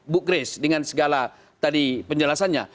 bu grace dengan segala tadi penjelasannya